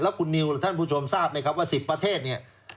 คุณนิวหรือท่านผู้ชมทราบไหมครับว่า๑๐ประเทศเนี่ย